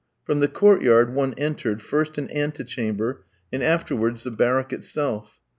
From the court yard one entered, first an ante chamber, and afterwards the barrack itself.